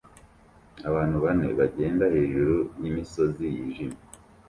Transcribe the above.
Abantu bane bagenda hejuru y'imisozi yijimye